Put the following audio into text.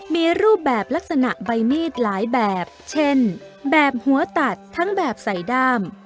มีรูปแบบลักษณะใบมีดหลายแบบเช่นแบบหัวตัดทั้งแบบใส่ด้าม